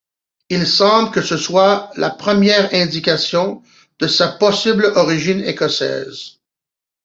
Il semble que ce soit la première indication de sa possible origine écossaise.